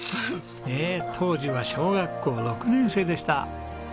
ねえ当時は小学校６年生でした。